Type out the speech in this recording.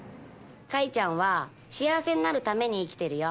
会ちゃんは幸せになるために生きてるよ。